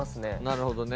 なるほどね。